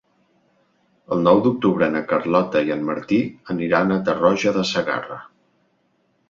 El nou d'octubre na Carlota i en Martí aniran a Tarroja de Segarra.